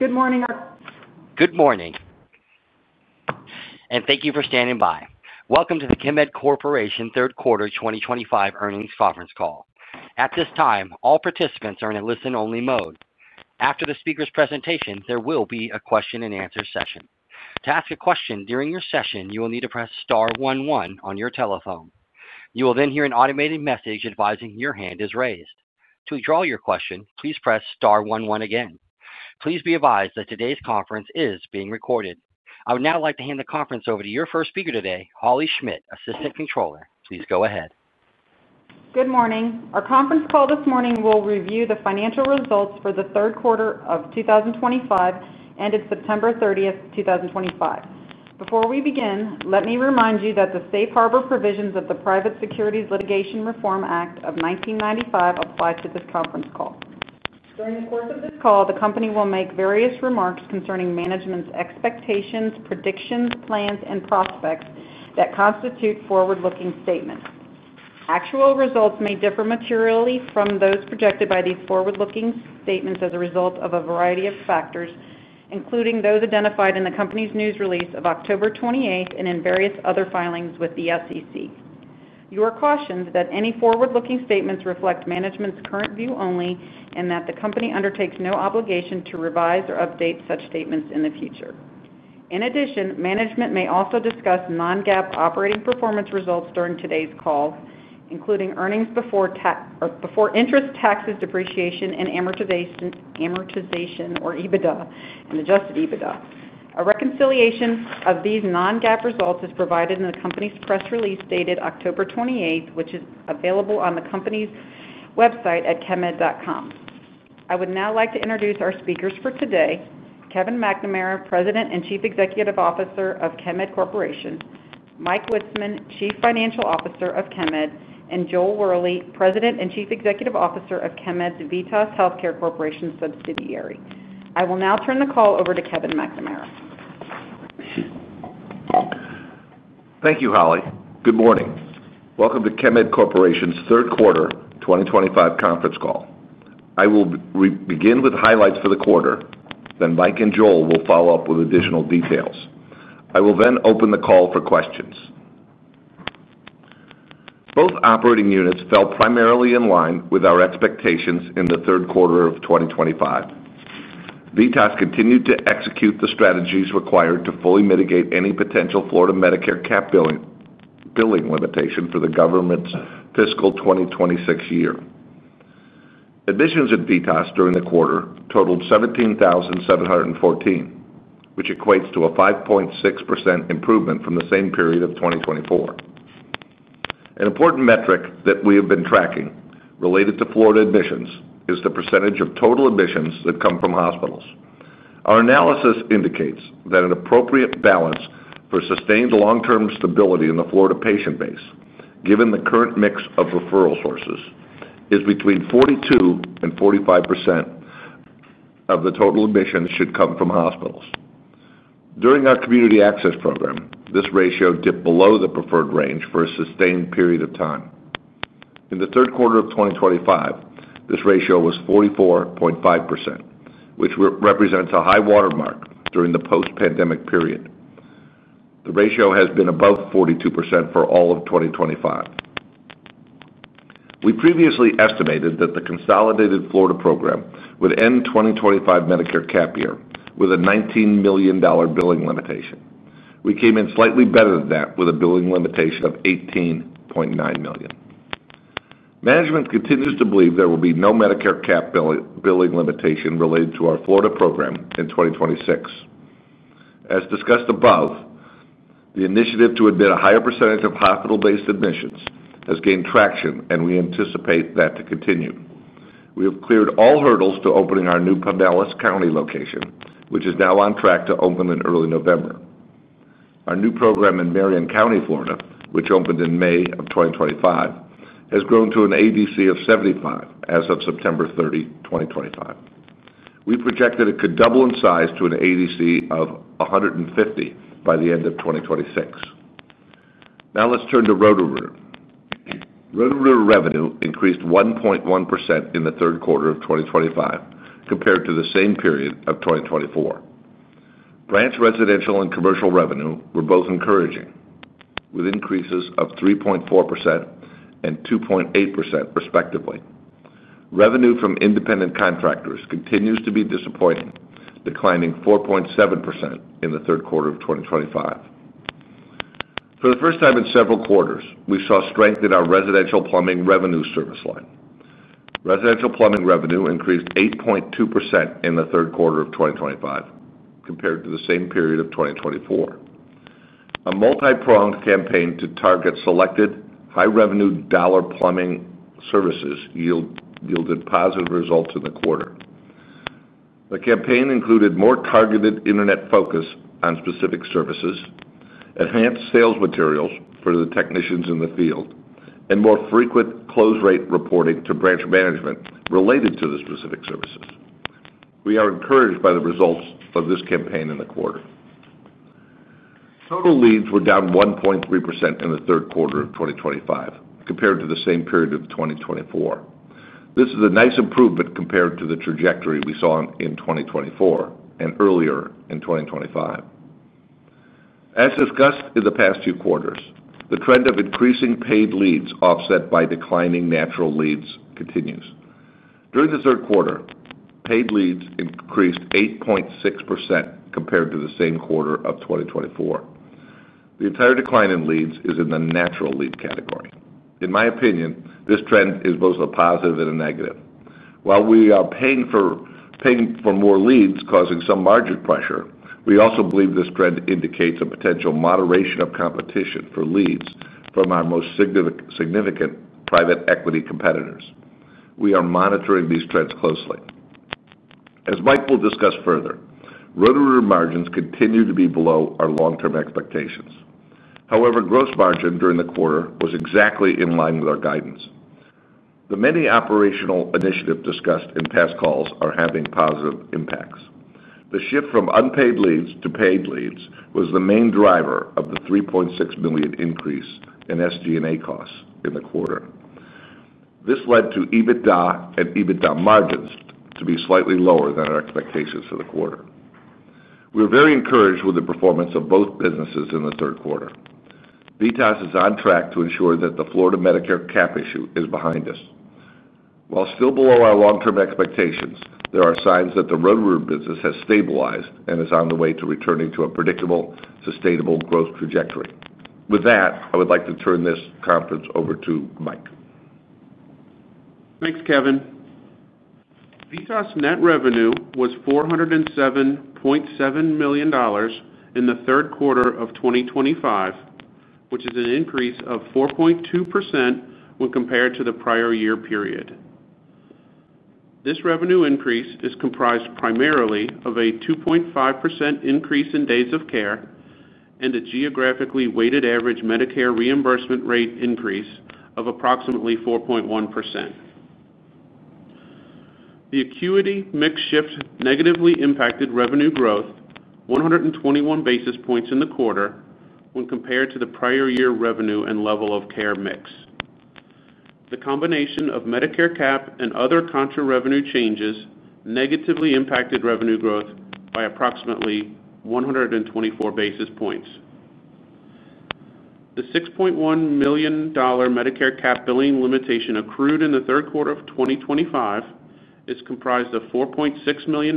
Good morning. Good morning. Thank you for standing by. Welcome to the Chemed Corporation Third Quarter 2025 Earnings Conference Call. At this time, all participants are in a listen-only mode. After the speaker's presentation, there will be a question and answer session. To ask a question during your session, you will need to press star 11 on your telephone. You will then hear an automated message advising your hand is raised. To withdraw your question, please press star 11 again. Please be advised that today's conference is being recorded. I would now like to hand the conference over to your first speaker today, Holley Schmidt, Assistant Controller. Please go ahead. Good morning. Our conference call this morning will review the financial results for the third quarter of 2025, ended September 30th, 2025. Before we begin, let me remind you that the Safe Harbor provisions of the Private Securities Litigation Reform Act of 1995 apply to this conference call. During the course of this call, the company will make various remarks concerning management's expectations, predictions, plans, and prospects that constitute forward-looking statements. Actual results may differ materially from those projected by these forward-looking statements as a result of a variety of factors, including those identified in the company's news release of October 28 and in various other filings with the SEC. You are cautioned that any forward-looking statements reflect management's current view only and that the company undertakes no obligation to revise or update such statements in the future. In addition, management may also discuss non-GAAP operating performance results during today's call, including earnings before interest, taxes, depreciation, and amortization or EBITDA and adjusted EBITDA. A reconciliation of these non-GAAP results is provided in the company's press release dated October 28, which is available on the company's website at chemed.com. I would now like to introduce our speakers for today: Kevin McNamara, President and Chief Executive Officer of Chemed Corporation, Mike Witzeman, Chief Financial Officer of Chemed, and Joel Wherley, President and Chief Executive Officer of Chemed's VITAS Healthcare Corporation subsidiary. I will now turn the call over to Kevin McNamara. Thank you, Holley. Good morning. Welcome to Chemed Corporation's third quarter 2025 conference call. I will begin with highlights for the quarter, then Mike and Joel will follow up with additional details. I will then open the call for questions. Both operating units fell primarily in line with our expectations in the third quarter of 2025. VITAS continued to execute the strategies required to fully mitigate any potential Florida Medicare cap billing limitation for the government's fiscal 2026 year. Admissions at VITAS during the quarter totaled 17,714, which equates to a 5.6% improvement from the same period of 2024. An important metric that we have been tracking related to Florida admissions is the percentage of total admissions that come from hospitals. Our analysis indicates that an appropriate balance for sustained long-term stability in the Florida patient base, given the current mix of referral sources, is between 42% and 45% of the total admissions should come from hospitals. During our community access program, this ratio dipped below the preferred range for a sustained period of time. In the third quarter of 2025, this ratio was 44.5%, which represents a high watermark during the post-pandemic period. The ratio has been above 42% for all of 2025. We previously estimated that the consolidated Florida program would end the 2025 Medicare cap year with a $19 million billing limitation. We came in slightly better than that with a billing limitation of $18.9 million. Management continues to believe there will be no Medicare cap billing limitation related to our Florida program in 2026. As discussed above, the initiative to admit a higher percentage of hospital-based admissions has gained traction, and we anticipate that to continue. We have cleared all hurdles to opening our new Pinellas County location, which is now on track to open in early November. Our new program in Marion County, Florida, which opened in May of 2025, has grown to an ADC of 75 as of September 30, 2025. We projected it could double in size to an ADC of 150 by the end of 2026. Now let's turn to Roto-Rooter. Roto-Rooter revenue increased 1.1% in the third quarter of 2025 compared to the same period of 2024. Branch residential and commercial revenue were both encouraging, with increases of 3.4% and 2.8% respectively. Revenue from independent contractors continues to be disappointing, declining 4.7% in the third quarter of 2025. For the first time in several quarters, we saw strength in our residential plumbing revenue service line. Residential plumbing revenue increased 8.2% in the third quarter of 2025 compared to the same period of 2024. A multi-pronged campaign to target selected high-revenue dollar plumbing services yielded positive results in the quarter. The campaign included more targeted internet focus on specific services, enhanced sales materials for the technicians in the field, and more frequent close-rate reporting to branch management related to the specific services. We are encouraged by the results of this campaign in the quarter. Total leads were down 1.3% in the third quarter of 2025 compared to the same period of 2024. This is a nice improvement compared to the trajectory we saw in 2024 and earlier in 2025. As discussed in the past two quarters, the trend of increasing paid leads offset by declining natural leads continues. During the third quarter, paid leads increased 8.6% compared to the same quarter of 2024. The entire decline in leads is in the natural lead category. In my opinion, this trend is both a positive and a negative. While we are paying for more leads, causing some margin pressure, we also believe this trend indicates a potential moderation of competition for leads from our most significant private equity competitors. We are monitoring these trends closely. As Mike will discuss further, Roto-Rooter margins continue to be below our long-term expectations. However, gross margin during the quarter was exactly in line with our guidance. The many operational initiatives discussed in past calls are having positive impacts. The shift from unpaid leads to paid leads was the main driver of the $3.6 million increase in SG&A costs in the quarter. This led to EBITDA and EBITDA margins to be slightly lower than our expectations for the quarter. We are very encouraged with the performance of both businesses in the third quarter. VITAS is on track to ensure that the Florida Medicare cap issue is behind us. While still below our long-term expectations, there are signs that the Roto-Rooter business has stabilized and is on the way to returning to a predictable, sustainable growth trajectory. With that, I would like to turn this conference over to Mike. Thanks, Kevin. VITAS net revenue was $407.7 million in the third quarter of 2025, which is an increase of 4.2% when compared to the prior year period. This revenue increase is comprised primarily of a 2.5% increase in days of care and a geographically weighted average Medicare reimbursement rate increase of approximately 4.1%. The acuity mix shift negatively impacted revenue growth 121 basis points in the quarter when compared to the prior year revenue and level of care mix. The combination of Medicare cap and other contra-revenue changes negatively impacted revenue growth by approximately 124 basis points. The $6.1 million Medicare cap billing limitation accrued in the third quarter of 2025 is comprised of $4.6 million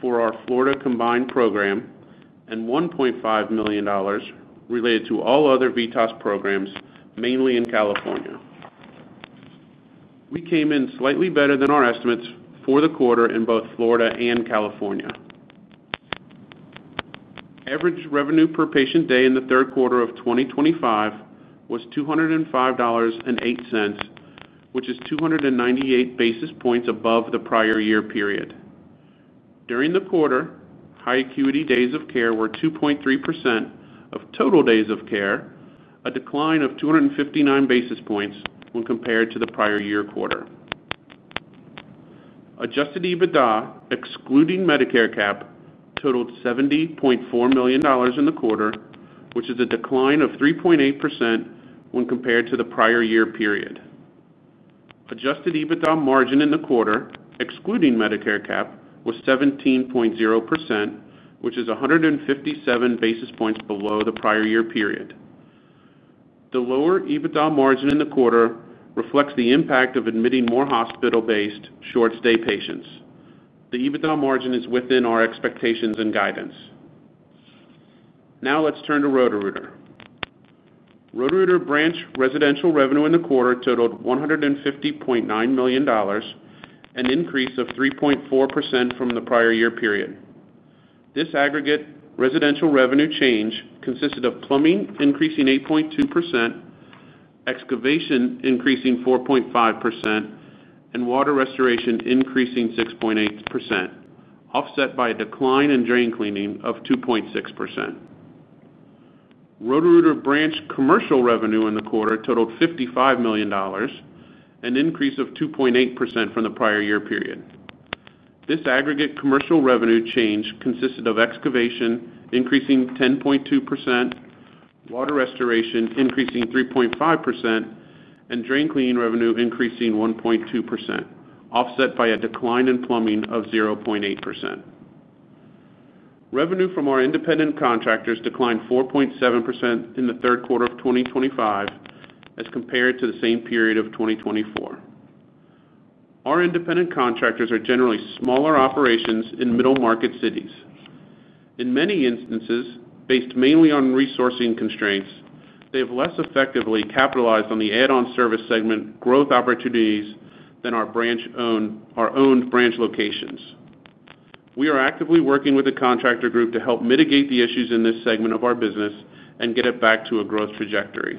for our Florida combined program and $1.5 million related to all other VITAS programs, mainly in California. We came in slightly better than our estimates for the quarter in both Florida and California. Average revenue per patient day in the third quarter of 2025 was $205.08, which is 298 basis points above the prior year period. During the quarter, high acuity days of care were 2.3% of total days of care, a decline of 259 basis points when compared to the prior year quarter. Adjusted EBITDA, excluding Medicare cap, totaled $70.4 million in the quarter, which is a decline of 3.8% when compared to the prior year period. Adjusted EBITDA margin in the quarter, excluding Medicare cap, was 17.0%, which is 157 basis points below the prior year period. The lower EBITDA margin in the quarter reflects the impact of admitting more hospital-based short-stay patients. The EBITDA margin is within our expectations and guidance. Now let's turn to Roto-Rooter. Roto-Rooter branch residential revenue in the quarter totaled $150.9 million, an increase of 3.4% from the prior year period. This aggregate residential revenue change consisted of plumbing increasing 8.2%, excavation increasing 4.5%, and water restoration increasing 6.8%, offset by a decline in drain cleaning of 2.6%. Roto-Rooter branch commercial revenue in the quarter totaled $55 million, an increase of 2.8% from the prior year period. This aggregate commercial revenue change consisted of excavation increasing 10.2%, water restoration increasing 3.5%, and drain cleaning revenue increasing 1.2%, offset by a decline in plumbing of 0.8%. Revenue from our independent contractors declined 4.7% in the third quarter of 2025 as compared to the same period of 2024. Our independent contractors are generally smaller operations in middle-market cities. In many instances, based mainly on resourcing constraints, they have less effectively capitalized on the add-on service segment growth opportunities than our owned branch locations. We are actively working with the contractor group to help mitigate the issues in this segment of our business and get it back to a growth trajectory.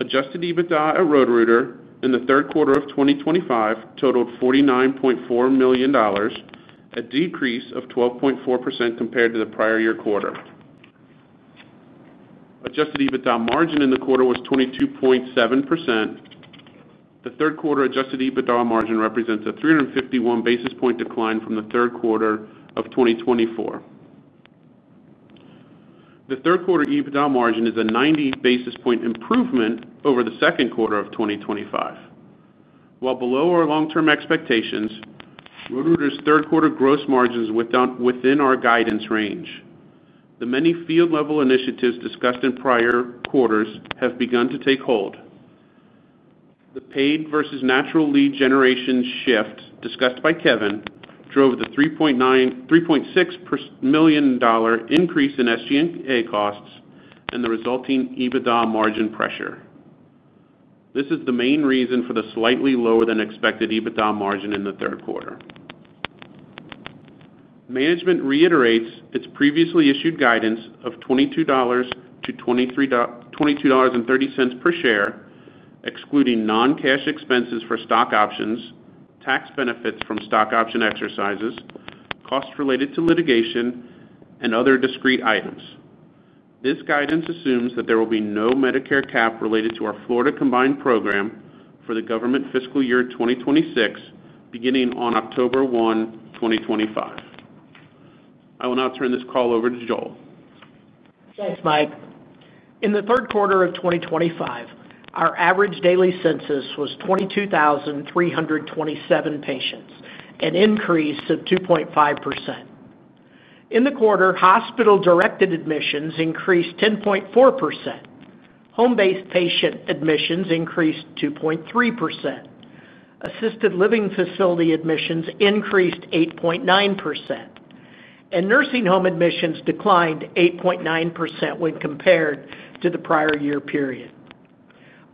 Adjusted EBITDA at Roto-Rooter in the third quarter of 2025 totaled $49.4 million, a decrease of 12.4% compared to the prior year quarter. Adjusted EBITDA margin in the quarter was 22.7%. The third quarter adjusted EBITDA margin represents a 351 basis point decline from the third quarter of 2024. The third quarter EBITDA margin is a 90 basis point improvement over the second quarter of 2025. While below our long-term expectations, Roto-Rooter's third quarter gross margins are within our guidance range. The many field-level initiatives discussed in prior quarters have begun to take hold. The paid versus natural lead generation shift discussed by Kevin drove the $3.6 million increase in SG&A costs and the resulting EBITDA margin pressure. This is the main reason for the slightly lower than expected EBITDA margin in the third quarter. Management reiterates its previously issued guidance of $22-$22.30 per share, excluding non-cash expenses for stock options, tax benefits from stock option exercises, costs related to litigation, and other discrete items. This guidance assumes that there will be no Medicare cap related to our Florida combined program for the government fiscal year 2026 beginning on October 1, 2025. I will now turn this call over to Joel. Thanks, Mike. In the third quarter of 2025, our average daily census was 22,327 patients, an increase of 2.5%. In the quarter, hospital-directed admissions increased 10.4%, home-based patient admissions increased 2.3%, assisted living facility admissions increased 8.9%, and nursing home admissions declined 8.9% when compared to the prior year period.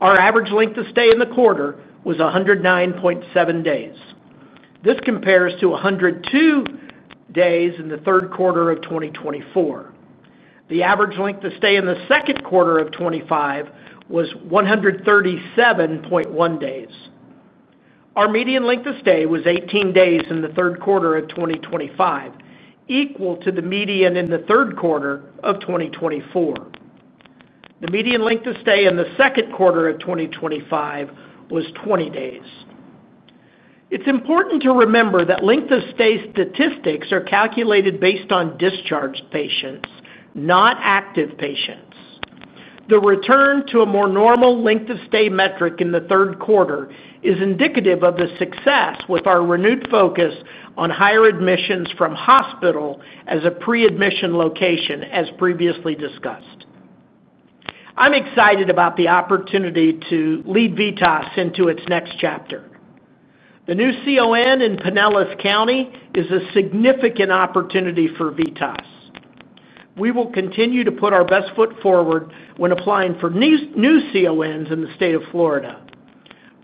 Our average length of stay in the quarter was 109.7 days. This compares to 102 days in the third quarter of 2024. The average length of stay in the second quarter of 2025 was 137.1 days. Our median length of stay was 18 days in the third quarter of 2025, equal to the median in the third quarter of 2024. The median length of stay in the second quarter of 2025 was 20 days. It's important to remember that length of stay statistics are calculated based on discharged patients, not active patients. The return to a more normal length of stay metric in the third quarter is indicative of the success with our renewed focus on higher admissions from hospital as a pre-admission location, as previously discussed. I'm excited about the opportunity to lead VITAS into its next chapter. The new CON in Pinellas County is a significant opportunity for VITAS. We will continue to put our best foot forward when applying for new CONs in the state of Florida.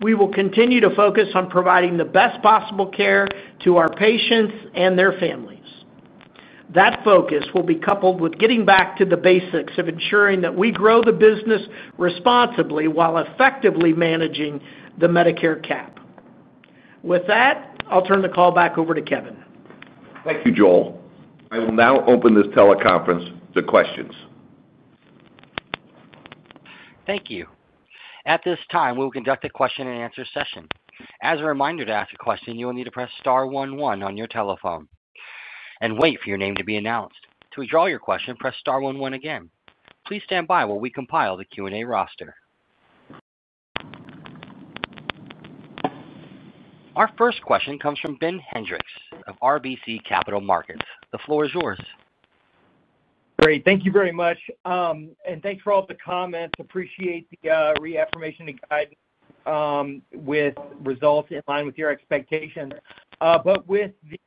We will continue to focus on providing the best possible care to our patients and their families. That focus will be coupled with getting back to the basics of ensuring that we grow the business responsibly while effectively managing the Medicare cap. With that, I'll turn the call back over to Kevin. Thank you, Joel. I will now open this teleconference to questions. Thank you. At this time, we will conduct a question and answer session. As a reminder, to ask a question, you will need to press star 11 on your telephone and wait for your name to be announced. To withdraw your question, press star 11 again. Please stand by while we compile the Q&A roster. Our first question comes from Ben Hendrix of RBC Capital Markets. The floor is yours. Great. Thank you very much, and thanks for all of the comments. Appreciate the reaffirmation of guidance, with results in line with your expectations. With the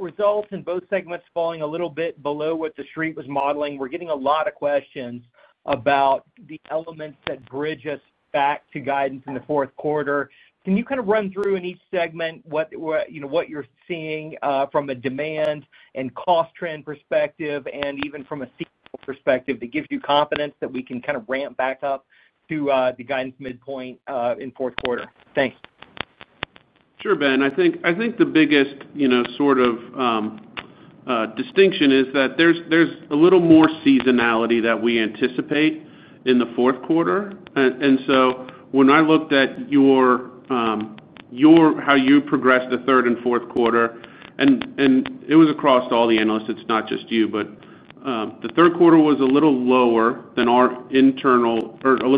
results in both segments falling a little bit below what the street was modeling, we're getting a lot of questions about the elements that bridge us back to guidance in the fourth quarter. Can you kind of run through in each segment what you're seeing from a demand and cost trend perspective and even from a CFO perspective that gives you confidence that we can kind of ramp back up to the guidance midpoint in the fourth quarter? Thanks. Sure, Ben. I think the biggest distinction is that there's a little more seasonality that we anticipate in the fourth quarter. When I looked at how you progressed the third and fourth quarter, and it was across all the analysts, it's not just you, the third quarter was a little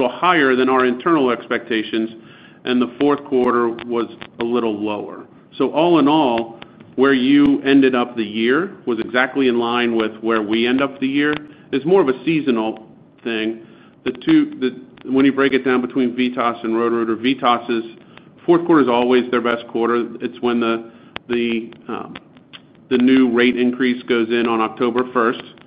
higher than our internal expectations, and the fourth quarter was a little lower. All in all, where you ended up the year was exactly in line with where we end up the year. It's more of a seasonal thing. When you break it down between VITAS and Roto-Rooter, VITAS' fourth quarter is always their best quarter. It's when the new rate increase goes in on October 1st.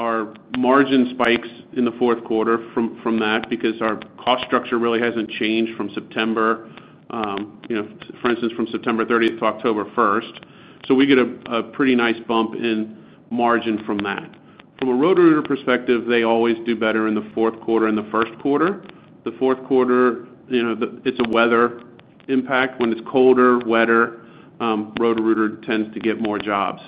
Our margin spikes in the fourth quarter from that because our cost structure really hasn't changed from September, for instance, from September 30th to October 1st. We get a pretty nice bump in margin from that. From a Roto-Rooter perspective, they always do better in the fourth quarter and the first quarter. The fourth quarter, it's a weather impact. When it's colder, wetter, Roto-Rooter tends to get more jobs.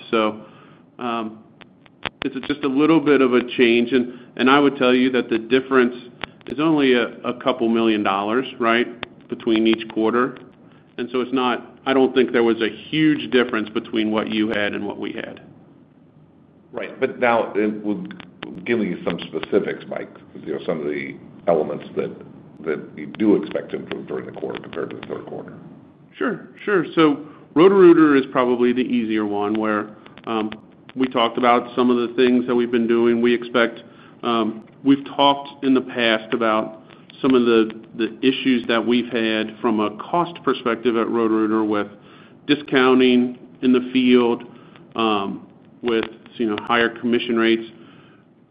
It's just a little bit of a change. I would tell you that the difference is only a couple million dollars between each quarter. It's not, I don't think there was a huge difference between what you had and what we had. Right. Now, give them some specifics, Mike. You know, some of the elements that you do expect to improve during the quarter compared to the third quarter. Sure. Roto-Rooter is probably the easier one where we talked about some of the things that we've been doing. We expect, we've talked in the past about some of the issues that we've had from a cost perspective at Roto-Rooter with discounting in the field, with higher commission rates.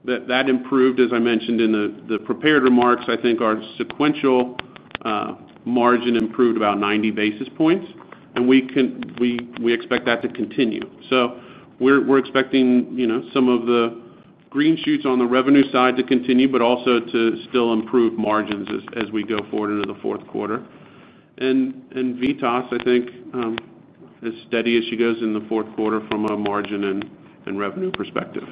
That improved, as I mentioned in the prepared remarks. I think our sequential margin improved about 90 basis points. We expect that to continue. We're expecting some of the green shoots on the revenue side to continue, but also to still improve margins as we go forward into the fourth quarter. VITAS, I think, is steady as she goes in the fourth quarter from a margin and revenue perspective.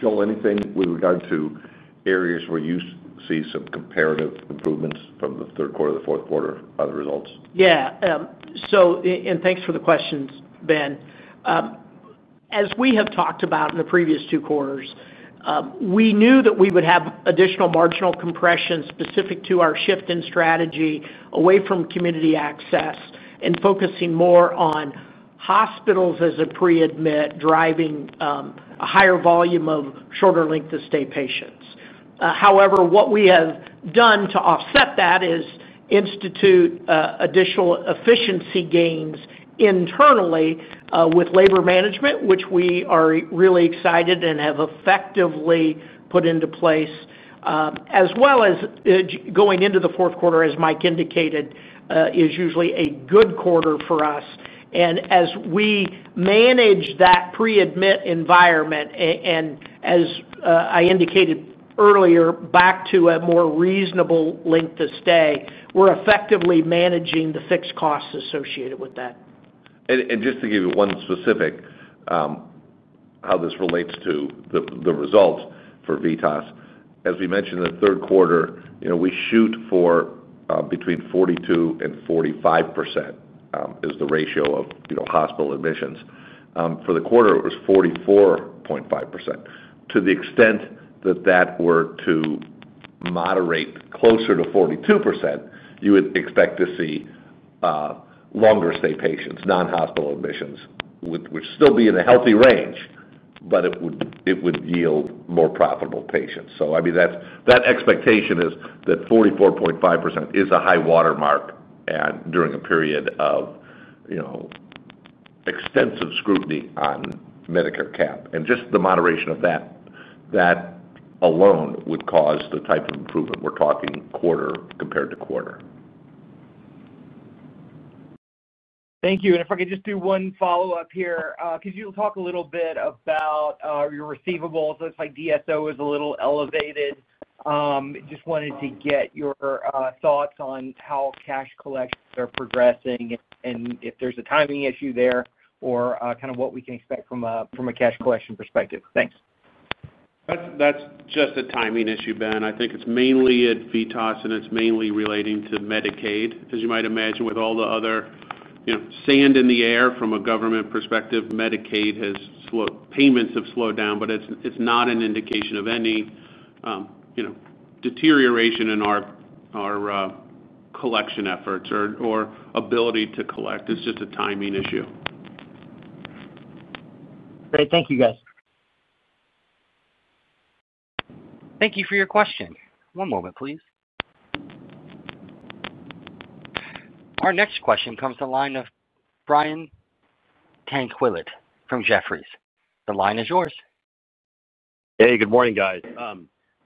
Joel, anything with regard to areas where you see some comparative improvements from the third quarter to the fourth quarter by the results? Yeah, so thanks for the questions, Ben. As we have talked about in the previous two quarters, we knew that we would have additional marginal compression specific to our shift in strategy away from community access and focusing more on hospitals as a pre-admit, driving a higher volume of shorter length of stay patients. However, what we have done to offset that is institute additional efficiency gains internally with labor management, which we are really excited and have effectively put into place. As we go into the fourth quarter, as Mike indicated, it is usually a good quarter for us. As we manage that pre-admit environment, and as I indicated earlier, back to a more reasonable length of stay, we're effectively managing the fixed costs associated with that. To give you one specific, how this relates to the results for VITAS, as we mentioned in the third quarter, we shoot for between 42% and 45% as the ratio of hospital admissions. For the quarter, it was 44.5%. To the extent that that were to moderate closer to 42%, you would expect to see longer stay patients, non-hospital admissions, which would still be in a healthy range, but it would yield more profitable patients. That expectation is that 44.5% is a high watermark during a period of extensive scrutiny on Medicare cap. Just the moderation of that alone would cause the type of improvement we're talking quarter compared to quarter. Thank you. If I could just do one follow-up here, could you talk a little bit about your receivables? It looks like DSO is a little elevated. I just wanted to get your thoughts on how cash collections are progressing and if there's a timing issue there or what we can expect from a cash collection perspective. Thanks. That's just a timing issue, Ben. I think it's mainly at VITAS and it's mainly relating to Medicaid. As you might imagine, with all the other sand in the air from a government perspective, Medicaid has slowed, payments have slowed down, but it's not an indication of any deterioration in our collection efforts or ability to collect. It's just a timing issue. Great. Thank you, guys. Thank you for your question. One moment, please. Our next question comes to the line of Brian Tanquilut from Jefferies. The line is yours. Good morning, guys.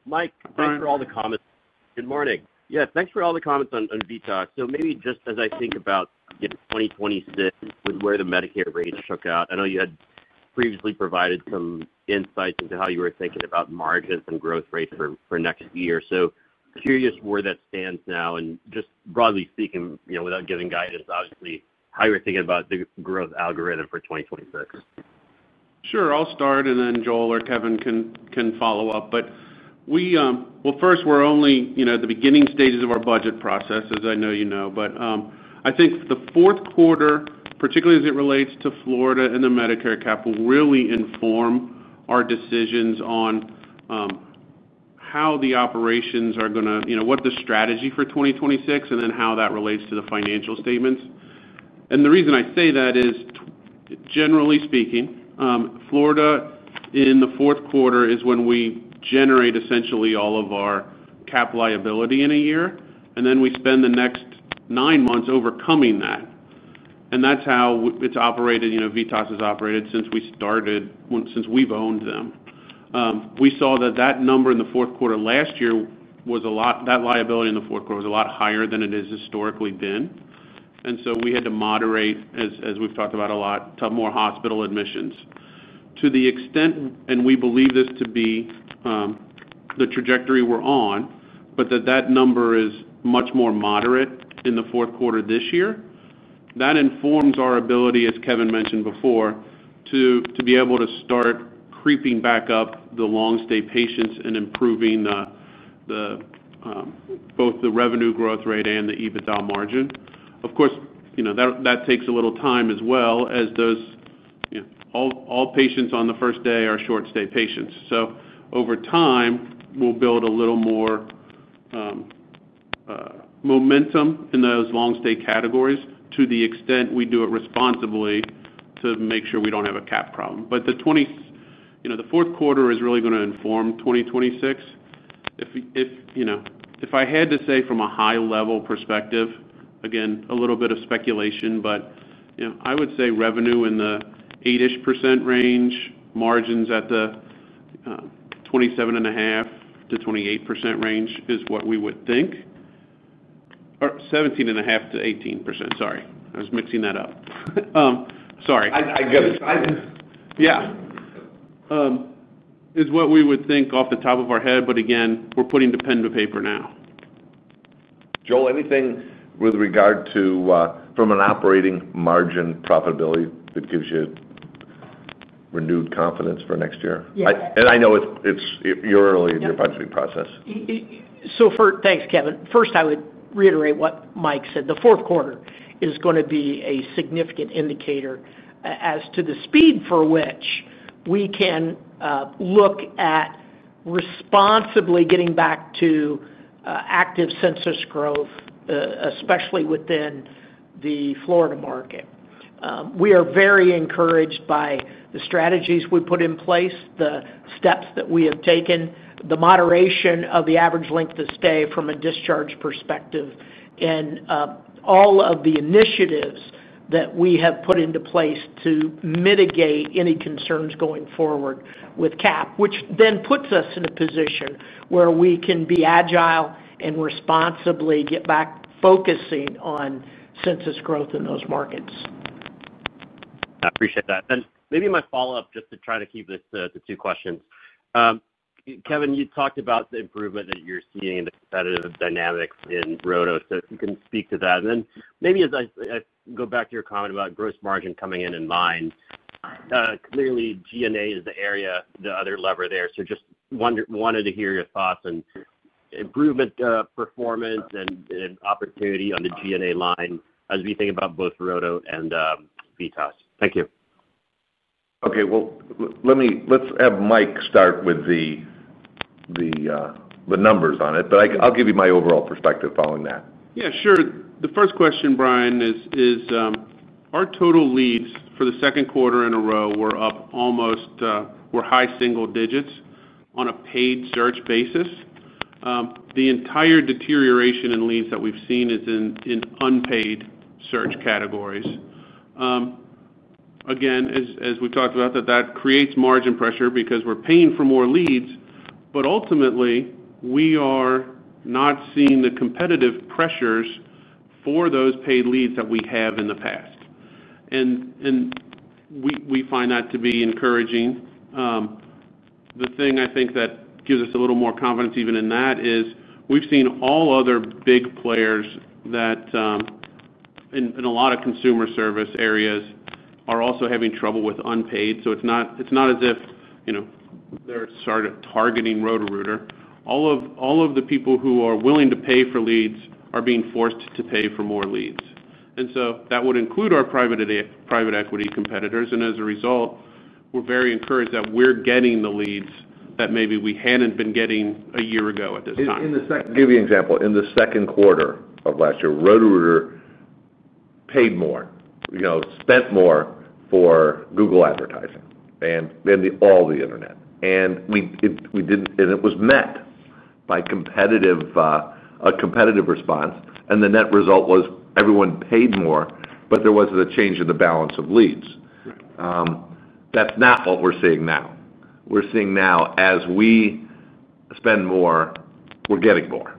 Mike, thanks for all the comments. Good morning. Thanks for all the comments on VITAS. Maybe just as I think about 2026 and where the Medicare rates took out, I know you had previously provided some insights into how you were thinking about margins and growth rates for next year. Curious where that stands now and just broadly speaking, without giving guidance, obviously, how you were thinking about the growth algorithm for 2026. Sure. I'll start and then Joel or Kevin can follow up. First, we're only at the beginning stages of our budget process, as I know you know. I think the fourth quarter, particularly as it relates to Florida and the Medicare cap, will really inform our decisions on how the operations are going to, you know, what the strategy for 2026 is and then how that relates to the financial statements. The reason I say that is, generally speaking, Florida in the fourth quarter is when we generate essentially all of our cap liability in a year, and then we spend the next nine months overcoming that. That's how it's operated, you know, VITAS has operated since we started, since we've owned them. We saw that number in the fourth quarter last year was a lot, that liability in the fourth quarter was a lot higher than it has historically been. We had to moderate, as we've talked about a lot, to more hospital admissions. To the extent, and we believe this to be the trajectory we're on, that number is much more moderate in the fourth quarter this year, that informs our ability, as Kevin mentioned before, to be able to start creeping back up the long-stay patients and improving both the revenue growth rate and the EBITDA margin. Of course, that takes a little time as well, as all patients on the first day are short-stay patients. Over time, we'll build a little more momentum in those long-stay categories to the extent we do it responsibly to make sure we don't have a cap problem. The fourth quarter is really going to inform 2026. If I had to say from a high-level perspective, again, a little bit of speculation, I would say revenue in the 8% range, margins at the 27.5%-28% range is what we would think. Or 17.5%-18%, sorry. I was mixing that up. Sorry. Yeah, is what we would think off the top of our head, but again, we're putting the pen to paper now. Joel, anything with regard to, from an operating margin profitability that gives you renewed confidence for next year? I know it's, it's you're early in your budgeting process. Thanks, Kevin. First, I would reiterate what Mike said. The fourth quarter is going to be a significant indicator as to the speed for which we can look at responsibly getting back to active census growth, especially within the Florida market. We are very encouraged by the strategies we put in place, the steps that we have taken, the moderation of the average length of stay from a discharge perspective, and all of the initiatives that we have put into place to mitigate any concerns going forward with cap, which then puts us in a position where we can be agile and responsibly get back focusing on census growth in those markets. I appreciate that. Maybe my follow-up just to try to keep this to two questions. Kevin, you talked about the improvement that you're seeing in the competitive dynamics in Roto, so if you can speak to that. As I go back to your comment about gross margin coming in in line, clearly G&A is the area, the other lever there. Just wanted to hear your thoughts on improvement, performance, and opportunity on the G&A line as we think about both Roto and VITAS. Thank you. Okay. Let me have Mike start with the numbers on it. I'll give you my overall perspective following that. Yeah, sure. The first question, Brian, is our total leads for the second quarter in a row were up almost, were high single digits on a paid search basis. The entire deterioration in leads that we've seen is in unpaid search categories. As we've talked about, that creates margin pressure because we're paying for more leads, but ultimately, we are not seeing the competitive pressures for those paid leads that we have in the past. We find that to be encouraging. The thing I think that gives us a little more confidence even in that is we've seen all other big players that, in a lot of consumer service areas, are also having trouble with unpaid. It's not as if, you know, they started targeting Roto-Rooter. All of the people who are willing to pay for leads are being forced to pay for more leads. That would include our private equity competitors. As a result, we're very encouraged that we're getting the leads that maybe we hadn't been getting a year ago at this time. To give you an example, in the second quarter of last year, Roto-Rooter paid more, you know, spent more for Google advertising and all the internet. We didn't, and it was met by a competitive response. The net result was everyone paid more, but there wasn't a change in the balance of leads. That's not what we're seeing now. We're seeing now as we spend more, we're getting more.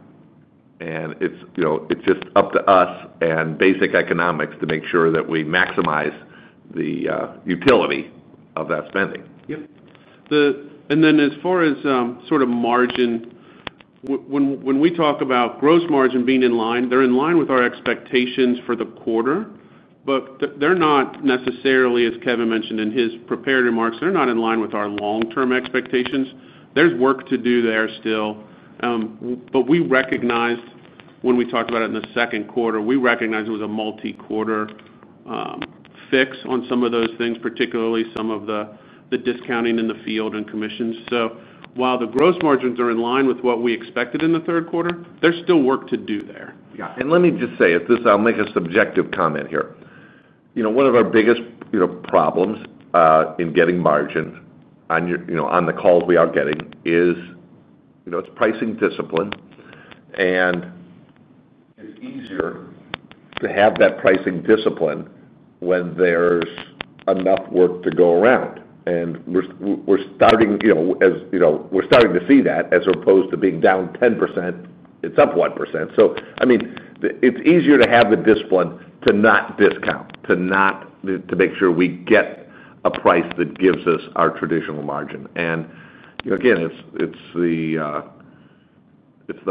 It's just up to us and basic economics to make sure that we maximize the utility of that spending. The, and then as far as, sort of margin, when we talk about gross margin being in line, they're in line with our expectations for the quarter, but they're not necessarily, as Kevin mentioned in his prepared remarks, they're not in line with our long-term expectations. There's work to do there still. We recognized, when we talked about it in the second quarter, we recognized it was a multi-quarter fix on some of those things, particularly some of the discounting in the field and commissions. While the gross margins are in line with what we expected in the third quarter, there's still work to do there. Let me just say, I'll make a subjective comment here. One of our biggest problems in getting margin on the calls we are getting is pricing discipline. It's easier to have that pricing discipline when there's enough work to go around. We're starting to see that as opposed to being down 10%, it's up 1%. It's easier to have the discipline to not discount, to make sure we get a price that gives us our traditional margin. Again, it's the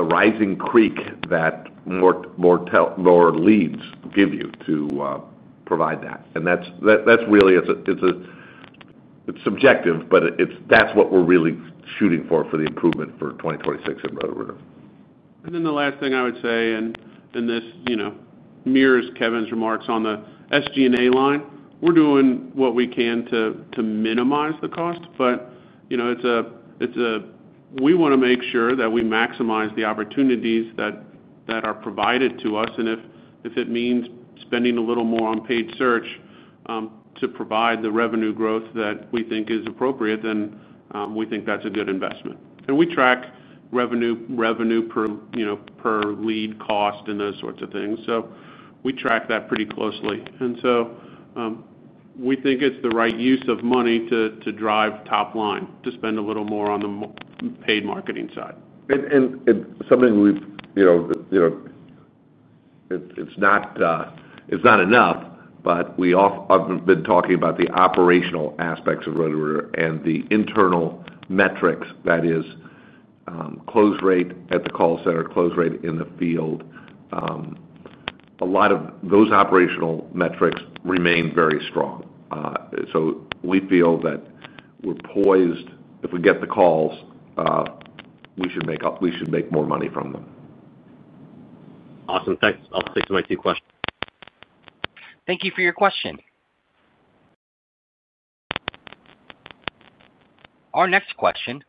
rising creek that more lower leads give you to provide that. That's really, it's subjective, but that's what we're really shooting for, for the improvement for 2026 in Roto-Rooter. The last thing I would say, and this mirrors Kevin's remarks on the SG&A line, we're doing what we can to minimize the cost, but we want to make sure that we maximize the opportunities that are provided to us. If it means spending a little more on paid search to provide the revenue growth that we think is appropriate, then we think that's a good investment. We track revenue per lead cost and those sorts of things pretty closely. We think it's the right use of money to drive top line, to spend a little more on the paid marketing side. We've been talking about the operational aspects of Roto-Rooter and the internal metrics, that is, close rate at the call center, close rate in the field. A lot of those operational metrics remain very strong. We feel that we're poised. If we get the calls, we should make up, we should make more money from them. Awesome. Thanks. I'll stick to my two questions. Thank you for your question. Our next question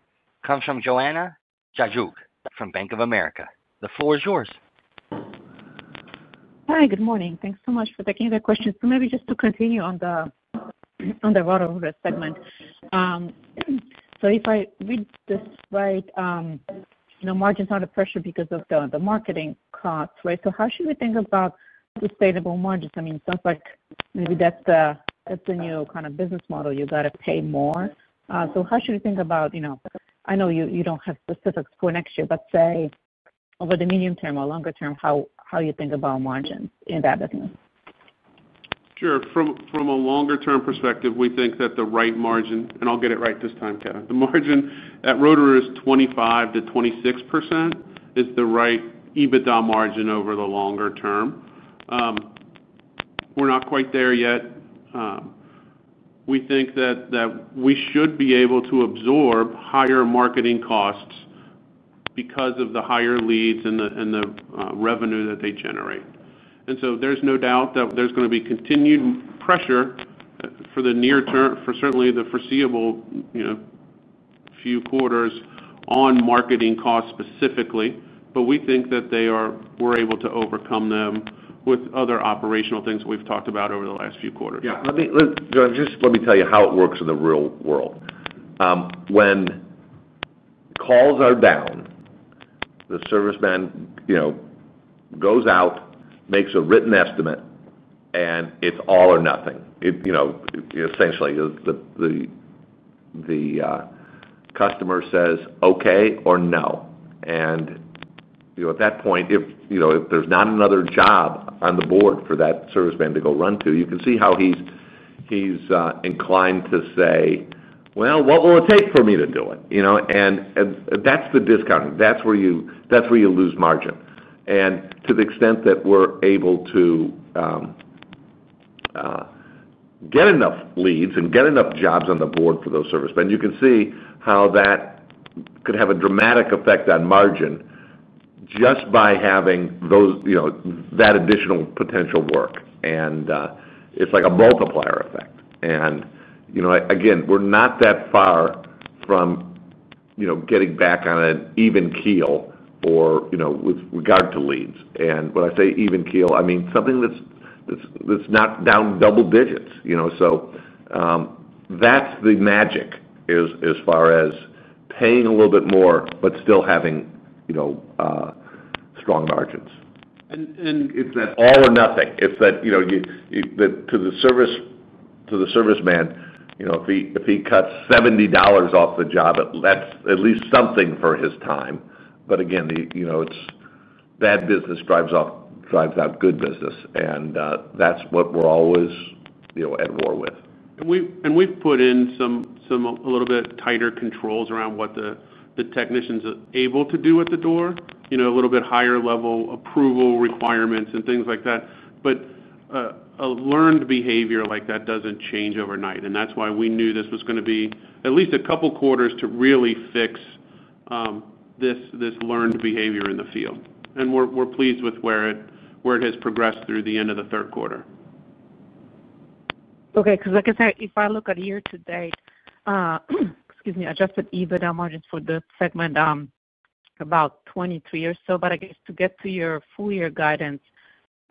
comes from Joanna Gajuk from Bank of America. The floor is yours. Hi. Good morning. Thanks so much for taking the question. Just to continue on the Roto-Rooter segment, if I read this right, margins are under pressure because of the marketing costs, right? How should we think about sustainable margins? It sounds like maybe that's the new kind of business model. You got to pay more. How should we think about, I know you don't have specifics for next year, but say over the medium term or longer term, how you think about margins in that business? Sure. From a longer-term perspective, we think that the right margin, and I'll get it right this time, Kevin, the margin at Roto-Rooter is 25%-26% is the right EBITDA margin over the longer term. We're not quite there yet. We think that we should be able to absorb higher marketing costs because of the higher leads and the revenue that they generate. There's no doubt that there's going to be continued pressure, for the near term, for certainly the foreseeable few quarters on marketing costs specifically. We think that we're able to overcome them with other operational things that we've talked about over the last few quarters. Let me just tell you how it works in the real world. When calls are down, the service man goes out, makes a written estimate, and it's all or nothing. The customer says, "Okay or no." At that point, if there's not another job on the board for that service man to go run to, you can see how he's inclined to say, "What will it take for me to do it?" That's the discounting. That's where you lose margin. To the extent that we're able to get enough leads and get enough jobs on the board for those service men, you can see how that could have a dramatic effect on margin just by having that additional potential work. It's like a multiplier effect. Again, we're not that far from getting back on an even keel with regard to leads. When I say even keel, I mean something that's not down double digits. That's the magic as far as paying a little bit more, but still having strong margins. It's that all or nothing. It's that, you know, to the service man, you know, if he cuts $70 off the job, that's at least something for his time. Again, bad business drives out good business. That's what we're always at war with. We have put in some tighter controls around what the technicians are able to do at the door, with a higher level of approval requirements and things like that. A learned behavior like that does not change overnight. That is why we knew this was going to be at least a couple of quarters to really fix this learned behavior in the field. We are pleased with where it has progressed through the end of the third quarter. Okay. Because like I said, if I look at year-to-date, excuse me, adjusted EBITDA margins for the segment, about 23% or so. I guess to get to your full-year guidance,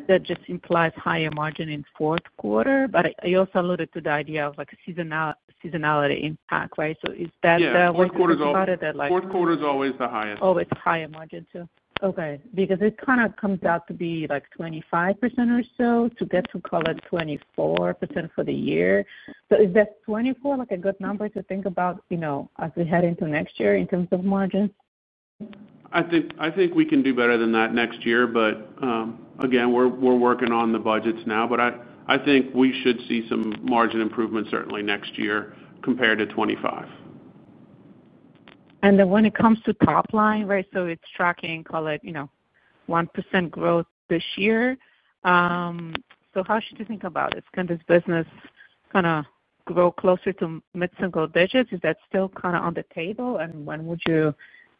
that just implies higher margin in the fourth quarter. I also alluded to the idea of seasonality impact, right? Is that the way you started it? Fourth quarter is always the highest. Oh, it's higher margin too. Okay. Because it kind of comes out to be like 25% or so to get to, call it, 24% for the year. Is that 24% like a good number to think about, you know, as we head into next year in terms of margin? I think we can do better than that next year. Again, we're working on the budgets now. I think we should see some margin improvements certainly next year compared to 2025. When it comes to top line, right? It's tracking, call it, you know, 1% growth this year. How should you think about it? Can this business kind of grow closer to mid-single digits? Is that still kind of on the table? When would you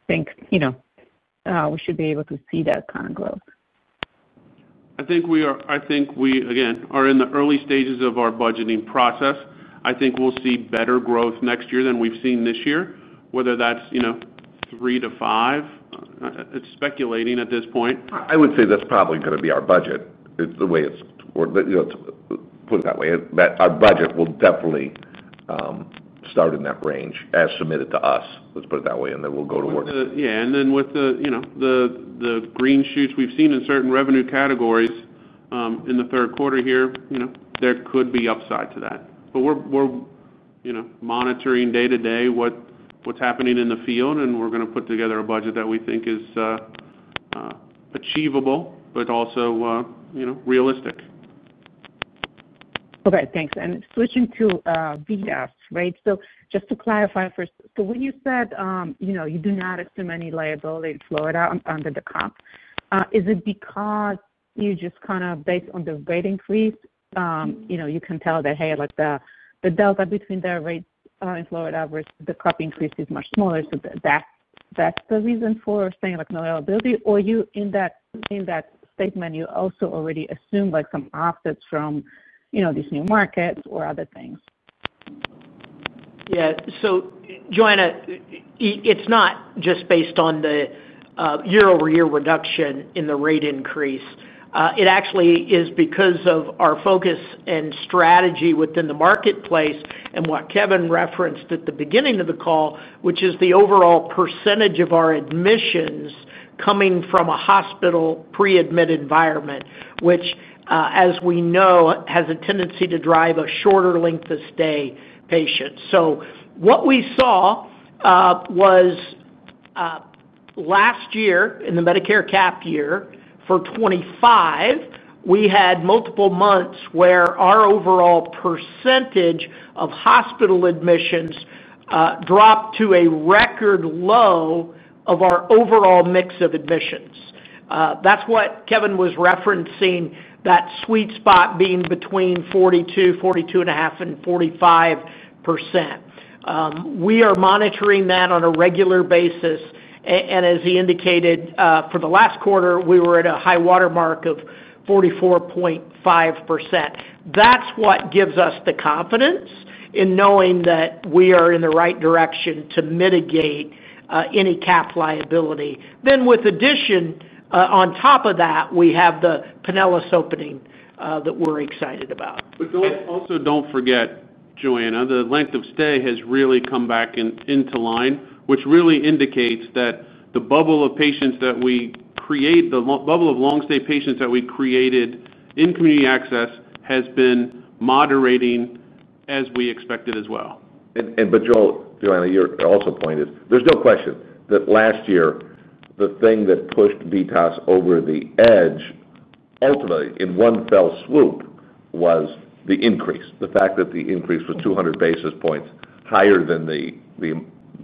think, you know, we should be able to see that kind of growth? I think we are in the early stages of our budgeting process. I think we'll see better growth next year than we've seen this year, whether that's, you know, 3%-5%. It's speculating at this point. I would say that's probably going to be our budget. It's the way it's, you know, put it that way. That our budget will definitely start in that range as submitted to us. Let's put it that way, and then we'll go to work. With the green shoots we've seen in certain revenue categories in the third quarter, there could be upside to that. We're monitoring day-to-day what's happening in the field, and we're going to put together a budget that we think is achievable but also realistic. Okay. Thanks. Switching to VITAS, right? Just to clarify first, when you said you do not assume any liability in Florida under the cap, is it because you just kind of based on the rate increase, you can tell that the delta between the rates in Florida versus the cap increase is much smaller? That's the reason for saying no liability. Or in that statement, you also already assume some offsets from these new markets or other things. Yeah. Joanna, it's not just based on the year-over-year reduction in the rate increase. It actually is because of our focus and strategy within the marketplace and what Kevin referenced at the beginning of the call, which is the overall percentage of our admissions coming from a hospital pre-admit environment, which, as we know, has a tendency to drive a shorter length of stay patient. What we saw was last year in the Medicare cap year for 2025, we had multiple months where our overall percentage of hospital admissions dropped to a record low of our overall mix of admissions. That's what Kevin was referencing, that sweet spot being between 42%, 42.5%, and 45%. We are monitoring that on a regular basis. As he indicated, for the last quarter, we were at a high watermark of 44.5%. That gives us the confidence in knowing that we are in the right direction to mitigate any cap liability. In addition, on top of that, we have the Pinellas opening that we're excited about. Also, don't forget, Joanna, the length of stay has really come back into line, which really indicates that the bubble of patients that we create, the bubble of long-stay patients that we created in community access, has been moderating as we expected as well. Joanna, you're also pointed, there's no question that last year, the thing that pushed VITAS over the edge, ultimately, in one fell swoop, was the increase. The fact that the increase was 200 basis points higher than the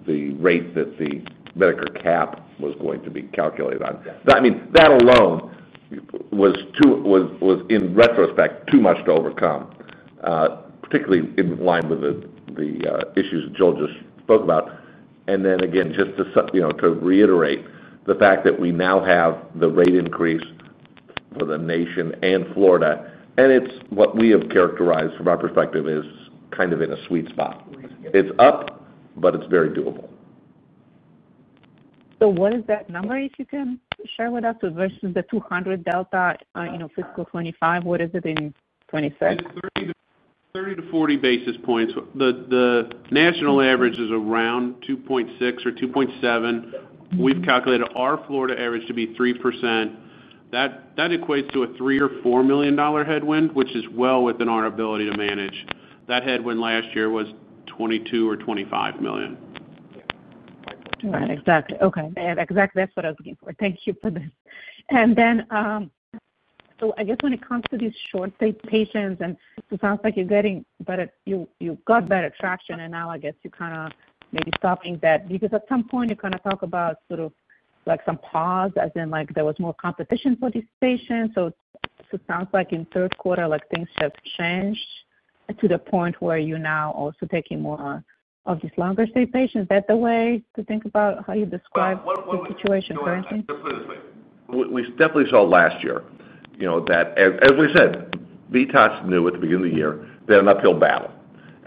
rate that the Medicare cap was going to be calculated on. I mean, that alone was, in retrospect, too much to overcome, particularly in line with the issues that Joel just spoke about. Just to reiterate the fact that we now have the rate increase for the nation and Florida, and it's what we have characterized from our perspective as kind of in a sweet spot. It's up, but it's very doable. What is that number that you can share with us versus the $200 delta, you know, fiscal 2025? What is it in 2026? It's 30-40 basis points. The national average is around 2.6% or 2.7%. We've calculated our Florida average to be 3%. That equates to a $3 million or $4 million headwind, which is well within our ability to manage. That headwind last year was $22 million or $25 million. Right. Exactly. That's what I was looking for. Thank you for this. When it comes to these short-stay patients, it sounds like you're getting better, you got better traction. I guess you're kind of maybe stopping that because at some point you talk about sort of like some pause as in like there was more competition for these patients. It sounds like in third quarter, things just changed to the point where you're now also taking more of these longer-stay patients. Is that the way to think about how you describe the situation currently? Definitely. We definitely saw last year, you know, that as we said, VITAS knew at the beginning of the year, they had an uphill battle.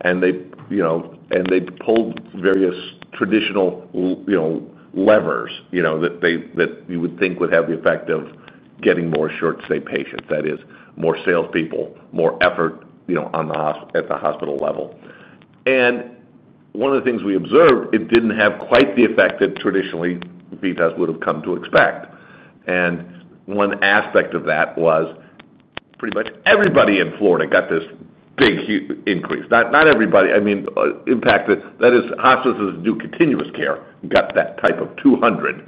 They pulled various traditional levers, you know, that you would think would have the effect of getting more short-stay patients. That is more salespeople, more effort on the hospital level. One of the things we observed, it didn't have quite the effect that traditionally VITAS would have come to expect. One aspect of that was pretty much everybody in Florida got this big increase. Not everybody. I mean, impact that is hospices that do continuous care got that type of 200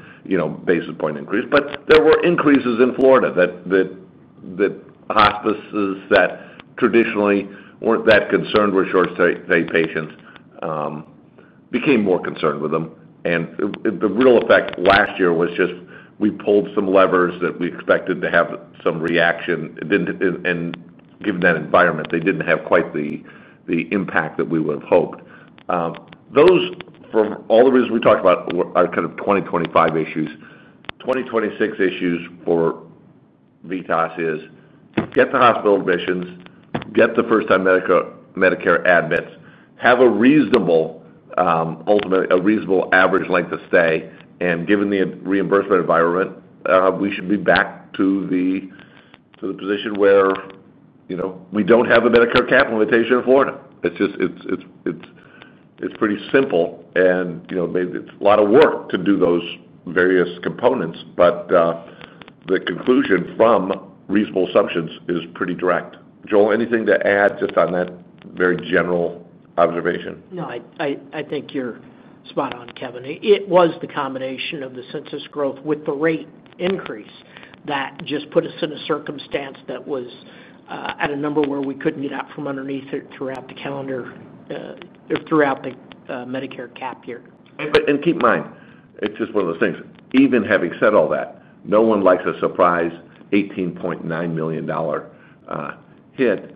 basis point increase. There were increases in Florida that hospices that traditionally weren't that concerned with short-stay patients became more concerned with them. The real effect last year was just we pulled some levers that we expected to have some reaction. It didn't, and given that environment, they didn't have quite the impact that we would have hoped. Those, from all the reasons we talked about, are kind of 2025 issues. 2026 issues for VITAS is get the hospital admissions, get the first-time Medicare admits, have a reasonable, ultimately a reasonable average length of stay. Given the reimbursement environment, we should be back to the position where, you know, we don't have a Medicare cap limitation in Florida. It's just, it's pretty simple. Maybe it's a lot of work to do those various components. The conclusion from reasonable assumptions is pretty direct. Joel, anything to add just on that very general observation? No, I think you're spot on, Kevin. It was the combination of the census growth with the rate increase that just put us in a circumstance that was at a number where we couldn't get out from underneath it throughout the calendar, or throughout the Medicare cap year. Keep in mind, it's just one of those things. Even having said all that, no one likes a surprise $18.9 million hit,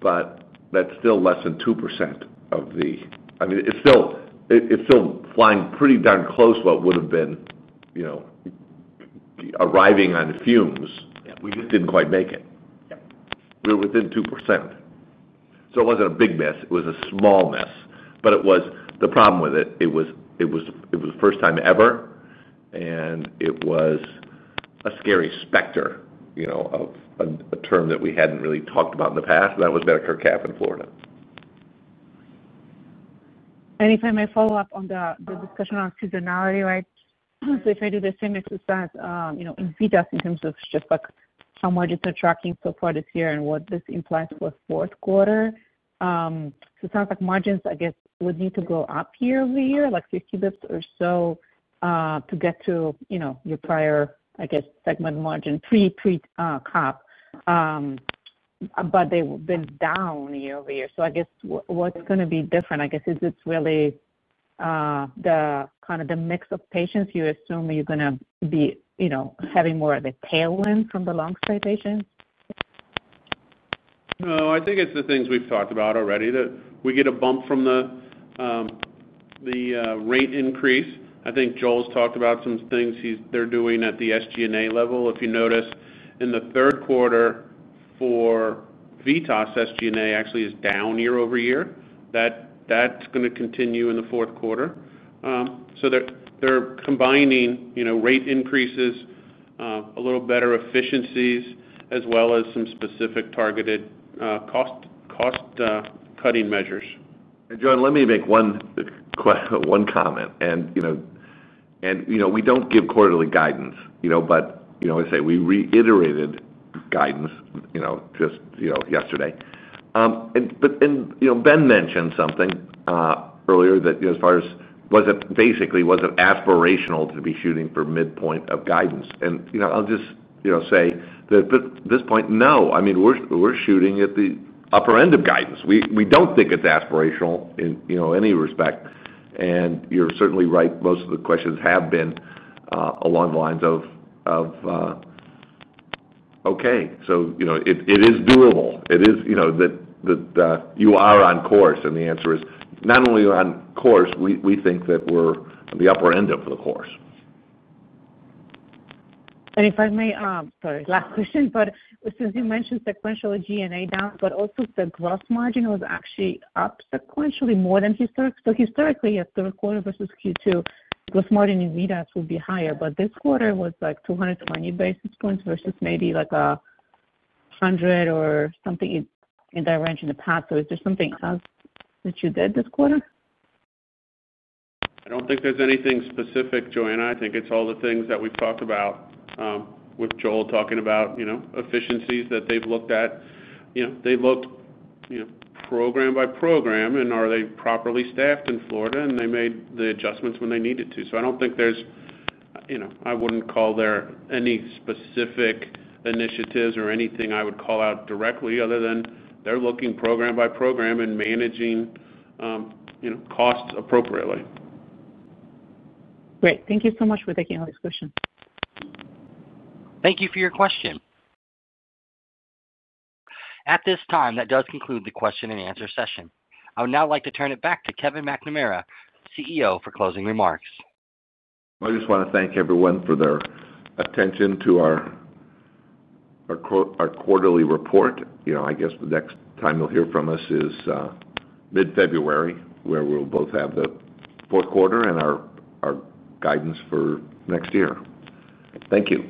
but that's still less than 2% of the, I mean, it's still flying pretty darn close to what would have been, you know, arriving on the fumes. We just didn't quite make it. Yep, we were within 2%. It wasn't a big miss. It was a small miss. The problem with it, it was the first time ever. It was a scary specter, you know, of a term that we hadn't really talked about in the past, and that was Medicare cap in Florida. If I may follow up on the discussion on seasonality, right? If I do the same exercise in VITAS in terms of just how much it's attracting so far this year and what this implies for fourth quarter, it sounds like margins, I guess, would need to go up year-over-year, like 50 bps or so, to get to your prior, I guess, segment margin pre-cap. They've been down year-over-year. What's going to be different, I guess, is it's really the kind of the mix of patients you assume you're going to be having more of a tailwind from the long-stay patients? No, I think it's the things we've talked about already that we get a bump from the rate increase. I think Joel's talked about some things they're doing at the SG&A level. If you notice in the third quarter for VITAS, SG&A actually is down year-over-year. That's going to continue in the fourth quarter. They're combining rate increases, a little better efficiencies, as well as some specific targeted cost cutting measures. Joanna, let me make one comment. You know, we don't give quarterly guidance, but I say we reiterated guidance just yesterday. Ben mentioned something earlier that, as far as was it basically, was it aspirational to be shooting for midpoint of guidance? I'll just say that at this point, no. We're shooting at the upper end of guidance. We don't think it's aspirational in any respect. You're certainly right. Most of the questions have been along the lines of, okay, so it is doable. It is that you are on course. The answer is not only on course, we think that we're on the upper end of the course. If I may, sorry, last question. Since you mentioned sequential SG&A down, the gross margin was actually up sequentially more than historic. Historically, a third quarter versus Q2, the gross margin in VITAS would be higher. This quarter was like 220 basis points versus maybe like 100 or something in that range in the past. Is there something else that you did this quarter? I don't think there's anything specific, Joanna. I think it's all the things that we've talked about, with Joel talking about efficiencies that they've looked at. They look program by program, and are they properly staffed in Florida? They made the adjustments when they needed to. I don't think there's, I wouldn't call there any specific initiatives or anything I would call out directly other than they're looking program by program and managing costs appropriately. Great. Thank you so much for taking all these questions. Thank you for your question. At this time, that does conclude the question and answer session. I would now like to turn it back to Kevin McNamara, CEO, for closing remarks. I just want to thank everyone for their attention to our quarterly report. I guess the next time you'll hear from us is mid-February, where we'll both have the fourth quarter and our guidance for next year. Thank you.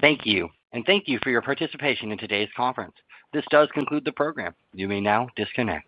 Thank you. Thank you for your participation in today's conference. This does conclude the program. You may now disconnect.